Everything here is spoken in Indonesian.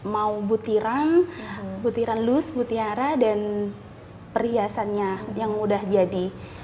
mau butiran butiran lus butiara dan perhiasannya yang mudah jadi